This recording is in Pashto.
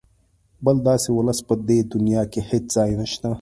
بل داسې ولس په دې دونیا کې هېڅ ځای نشته.